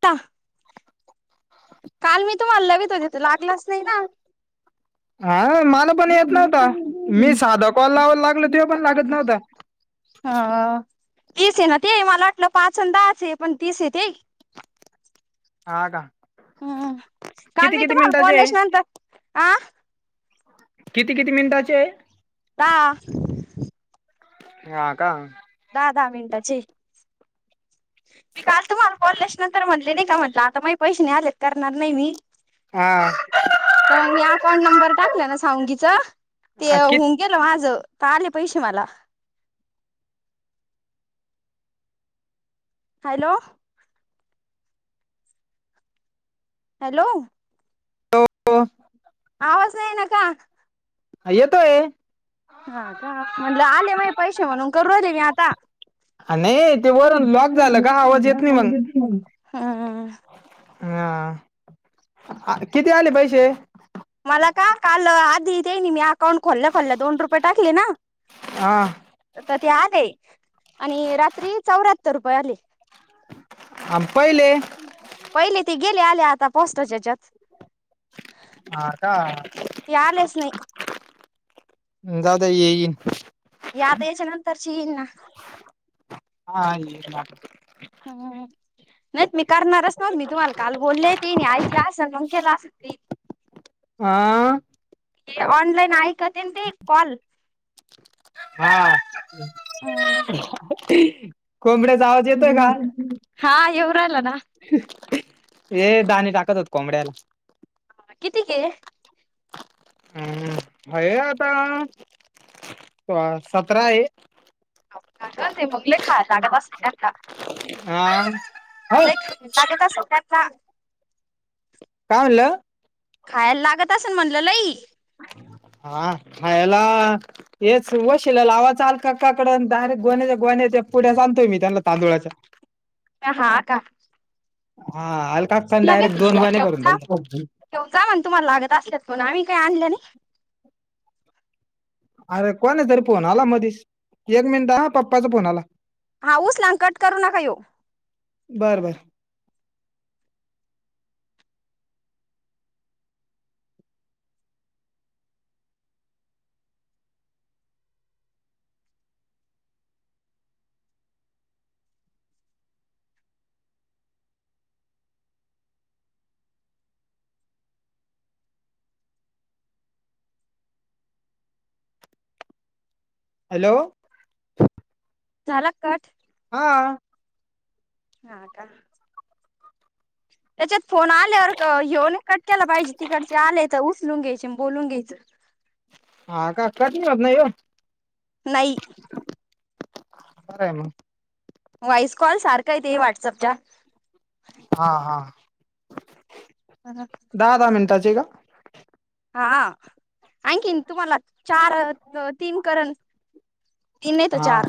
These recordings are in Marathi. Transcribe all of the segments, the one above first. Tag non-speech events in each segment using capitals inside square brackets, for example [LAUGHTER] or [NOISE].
त्ता [UNINTELLIGIBLE] काल मी तुम्हाला लवित होतेेतो लागलाच नाही ना. हा मला पण येत नव्हता मी साधा कॉल लावला लागलो तेव्हा पण लागत नव्हता. हा तीस आहे ना ते मला वाटलं पाच अन दहा च हे पण तीस ते हा का हम्म काल किती मी किती तुम्हाला मिनिटाचे आहे बोलल्याच्या नंतर आ किती, किती मिनिटाचे आहे? हा. ह का. दहा, दहा मिनटाचे. मी काल तुम्हाला बोल्याच्या नंतर म्हटले नाही का म्हटले आता माये पैसे नाही आले तर करणार नाही मी. तर हा मग मी अकाउंट नंबर टाकला ना सांवंगीच ते किती होऊन गेलं माझं. का आले पैसे मला. हॅलो. हॅलो. हो. आवाज नाही ये न का? ह येतोय. हा का म्हटलं आले माये पैसे म्हणून करू राहिली मी आता. नाही ते वरून लॉक झालं का आवाज येत नाही मग हा. हा किती आले पैसेे? मला का काल आधीेत त्यानी मी अकाउंट खोलल्या खोल्या दोन रुपये टाकले ना हा तर ते आले. आणि रात्री चौऱ्याहत्तर रुपये आले. आ पहिले पहिले ते गेले आले आता पोस्ट त्याच्या याच्यात. हा का. ये आलेच नाही. जावुदया येईल. हे आता याच्या नंतरची येईन ना. हा येईन हं हं हं नाहीत मी करणारच नव्हते मी तुम्हाला काल बोलले होते कि नाही आई ते असलं म्हणून केला सुटली हा ऑनलाईन ऐकतेल ते कॉल हा अं ह कोंबड्याचा आवाज येतोय हा येऊ राहिला ना ये दाणे टाकत होतो कोंबड्याला कितीके हम्म हम्म व्हय आत्ता त सतरा आहे [UNINTELLIGIBLE] आ [UNINTELLIGIBLE] साधंच [UNINTELLIGIBLE] काय म्हणलं खायला लागत असल म्हणलं लई हा खायाला हेच वशीला लावायचा आल्का आक्काकडं डायरेक्ट गोण्याच्या गोण्या [UNINTELLIGIBLE] पुड्याच आणतोय मी त्यांना तांदुळाच्या हा हा आ का हा अलकाकान डायरेक्ट [UNINTELLIGIBLE] घेऊन दोन जा गोण्या भरून धरल्या घेऊन जा मग तुम्हाला लागत असे पण आम्ही काय आणलं नाही अरे कोणाचा तरी फोन आला मधीच एक मिनिट हा पप्पाचा फोन आला हा उचला अन कट करू नका ह्यो बरं बरं हॅलो झाला कट हा हा का त्याच्यात फोन आल्यावर क ह्यो न कट केला पाहिजे तिकडचे आले तर उचलून घ्यायचे चि बोलून घ्यायचं हा काकाच मिळत नाही गं नाही बर आहे मग व्हॉइस कॉल सारख आहे ते व्हॉट्सएपचा हा हा, दहा दहा मिनिटाचेे का? हा आणखीन तुम्हाला चार तीन करण तीन नाहीेतर हा चार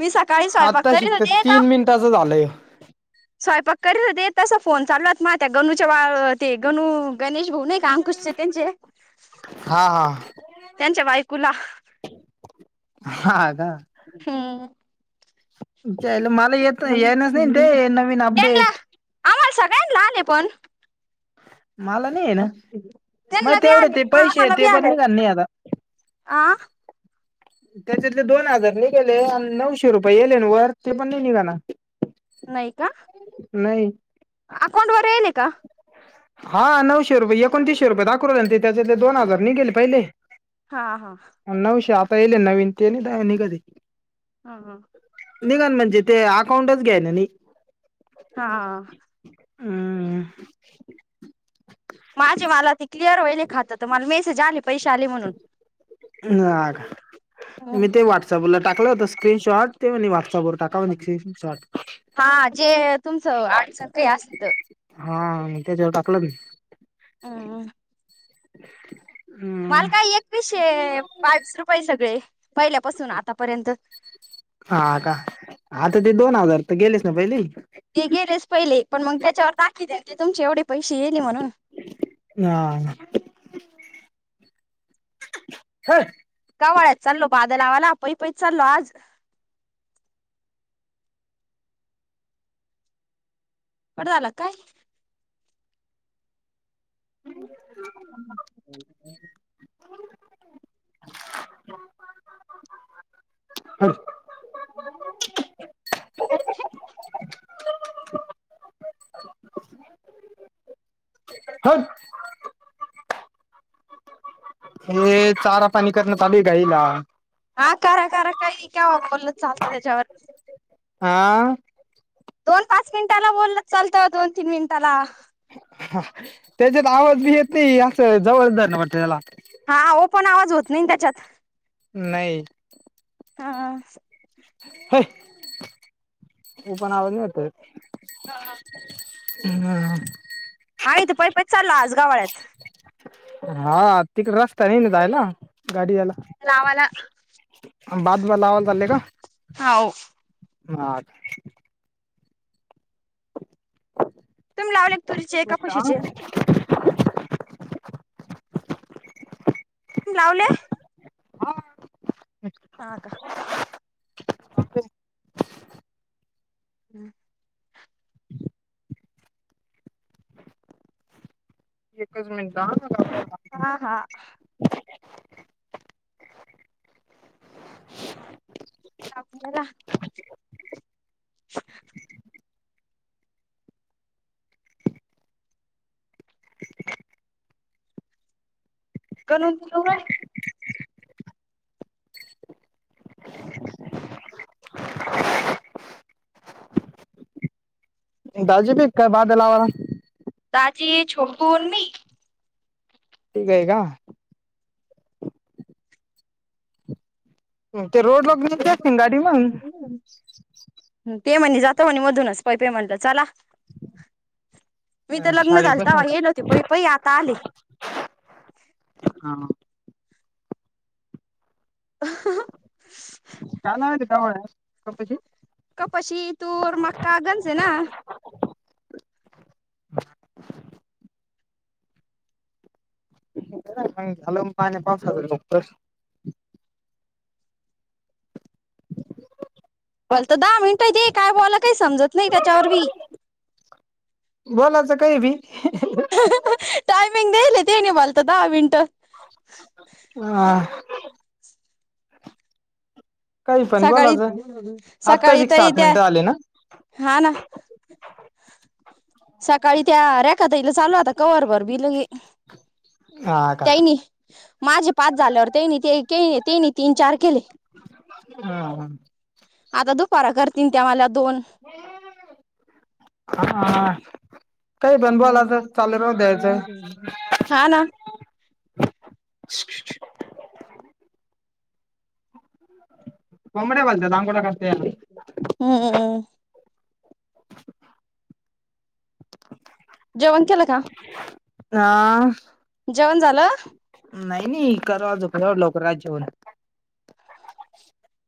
मी सकाळी स्वयंपाक आता करीत शिकत होते का तीन मिनिटाचं झालंय स्वयंपाक करीत होते तसं फोन चालू आहेत मा त्या गणूच्या बाळ ते गणू गणेश भाऊ नाही का अंकुशचे त्यांचे हा हा त्यांच्या बायकोला हा का हम्म. च्या आयला मला येत नाही येईनाच ते नवीन त्यांना अपडेट [UNINTELLIGIBLE] आले पण मला नाही आहे ना नाही त्यांना बी तेवढे आले ते पैसे आम्हाला ते बी पण आले निघाल नाही आता आ त्याच्यातले दोन हजार निघाले आणि नऊशे रुपये यायले ना वर ते पण नाही निघना नाही का नाही अकाउंट वर येईल का हा नऊशे रुपये एकोणतीसशे रुपये दाखवले आणि ते त्याच्यातले दोन हजार निघाले पहिले हा हा. पहीले नवीन ते आणि दहा निघाली हा हा निघा म्हणजे ते अकाउंटच घ्या ना नाही हा. हम्म माझे मला ते क्लिअर वईले खात तर मला मेसेज आले पैसे आले म्हणून [UNINTELLIGIBLE] मी ते व्हॉट्सअपला टाकलं होत स्क्रीनशॉट ते म्हणे व्हॉट्सअपवर टाका म्हणे स्क्रीनशॉट हा जे तुमचं आठ सक असत हा मी त्याच्यावर टाकलं बी माल काय एकवीसशे बावीस रुपये सगळे पहिल्यापासून आतापर्यंत हा का आता ते दोन हजार तर गेलेच ना पहिली ते गेलेच पहिले पण मग त्याच्यावर दाखी द्या ते तुमचे एवढे पैसे येईल म्हणून हे कावाळ्यात चाललो बाद लावाला पै पैच चाललो आज कट झाला की काय? [INAUDIBLE] है [INAUDIBLE] ह हे चारा पाणी करण चालू हाय गाईला हा करा करा काय काय बोलल चालतं त्याच्यात हा दोन पाच मिनिटाला बोल चालतं दोन तीन मिनिटाला त्याच्यात आवाज बी येत नाही असं [UNINTELLIGIBLE] ना वाट त्याला हा हो पण आवाज होत नाही त्याच्यात नाही. हा. पण आवाज नाही येत हा हा. हम्म. हा इथं पै पैच चाललो आज गावाळ्यात हा तिकड रस्ता नाय न जायला गाडी लावाला याला बाद लावायला चालले का हाव हा तुम्ही लावले तुरीचे का मिनिट हा कुशीचे लावले हा ह का ओके हम्म एकच मिनिट हा हा ला [UNINTELLIGIBLE] दाजी [UNINTELLIGIBLE] आजी छोटू अन मी ठीक आहे का ते रोड लग घचे आहेत ना गाडी मग पे म्हण जाता म्हणे मधूनच पहि पेमेंटलं चला मी तर लग्न शाळी झाल बसून तर का येल होती पई पई आता आले हा ह कालव त का्हा कप कपाशी तूर मक्का गंजे ना ह [UNINTELLIGIBLE] झालं पा पाच हजारक्त बल तर दहा मिनटं दे काय बोला काही समजत नाही त्याच्यावर बी बोला टायमिंग दल तेणी मला तर दहा मिनिटे ह [UNINTELLIGIBLE] सकाळी आत्ताच सकाळी एक तर इ सात तेे मिनिटं आले ना हा ना सकाळी त्या रेखता इला चालू आता कववरभर भिल आ का माझे पाच झाल्यावर त्यांनी ते तेनी तीन चार केले हा ह आता दुपारा करतील त्या मला दोन हा काही बनबलाच चालेल द्यायचंय हा ना अच कोमड बोलतात हम्मम् जेवन चे का ह जेवण झालं नाही नाही करजोव लवकरात जेवण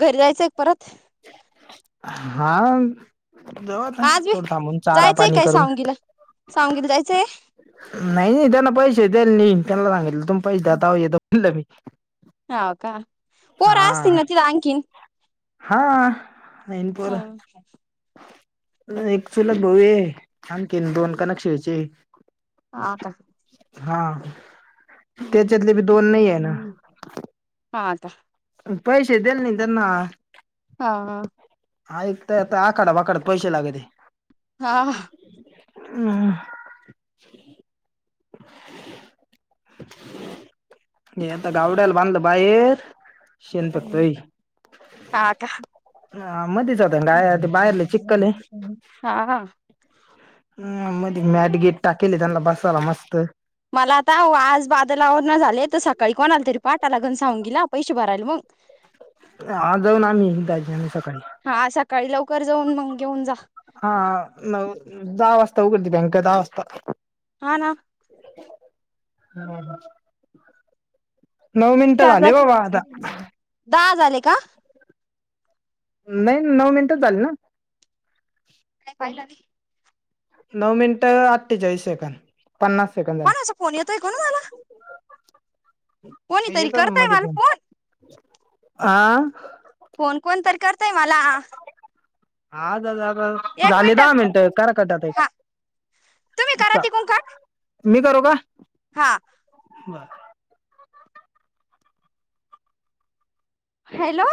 घरी जायचं एक परत हा जवात आहे आज बी तथोड थांबून चारा जायचंय पाणी काय करून सावंगीला सावंगीला जायचंय नाही नाही त्यांना पैसे द्या नाही त्यांना सांगितलं तुमही पैसे दाता बलं मी ह का पोर असती हा न न तला अंकिन, हा, नाही पोर ह एक चुलत भाऊ आहे, आणखीन दोन कानक्षेचे, ह का, हा, त्याच्यातले बी दोन नाही आहे ना हा का, पैसे दिल नाही त्यांना, हा, हा आऐक आता, आखाड वााडत पैसे लागत. हा, हम, [UNINTELLIGIBLE] आता गावड्याला बांधलं बाहेर शेण हम् फेकतोय हाता अं, मध्येच होता गाय ते बाहेरले चिककले हा ह मज मॅट गेट टाकली त्यांना बसायला मस्त मला आता आज बादलावर ना झाले तर सकाळी कोणा आला तरी पाटालागन सांगून गेला पैसे भरायला मग ह आज जाऊन आम्ही दजी आम्ही सकाळी, ककर जाऊन मग घेऊन जा, हा दहा वाजता उघडते बँका दहा वाजता, हा ना, [UNINTELLIGIBLE] नऊ मिनिटं शारदा झाले बाबा आता, दहा झाले का? नाही नऊ मिनिट झाली ना, [UNINTELLIGIBLE] नऊ मिनिटं अठ्ठेचाळीस सेकंड, पण असं फोन येतो ऐको ना मला, कोणीतरी येत ना करताय मध्ये मला पण फोन हा, फोन कोण तर करताय मला, [UNINTELLIGIBLE] एक झाली मिनिट दहा मिनटं करा कटात एक, हा तुम्ही करा तिकून कट मी करु का? हा, बर हॅलो!